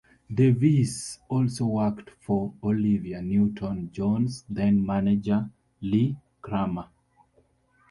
Davies also worked for Olivia Newton-John's then-manager, Lee Kramer.